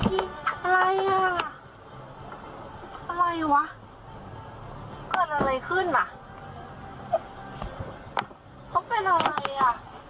พี่พี่พี่พี่เขาเป็นอะไรอ่ะ